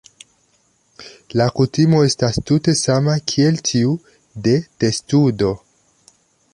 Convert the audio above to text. La kutimo estas tute sama kiel tiu de testudo.